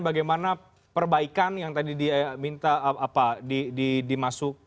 bagaimana perbaikan yang tadi dia minta